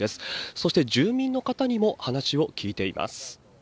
そして住民の方にも話を聞いています。